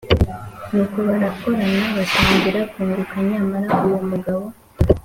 Nuko barakorana batangira kunguka. Nyamara uwo mugabo